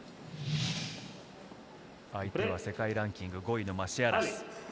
相手は世界ランキング５位のマシアラス。